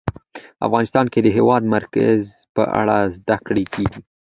افغانستان کې د د هېواد مرکز په اړه زده کړه کېږي.